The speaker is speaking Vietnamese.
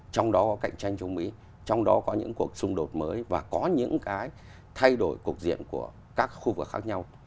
trong đó có cạnh tranh chống mỹ trong đó có những cuộc xung đột mới và có những cái thay đổi cục diện của các khu vực khác nhau